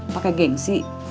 mungkin suatu hal